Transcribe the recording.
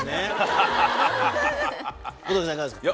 あさこさん、いかがですか。